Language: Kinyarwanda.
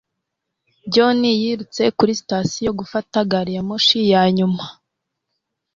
John yirutse kuri sitasiyo gufata gari ya moshi ya nyuma.